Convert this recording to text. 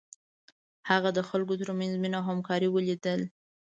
هغه د خلکو تر منځ مینه او همکاري ولیده.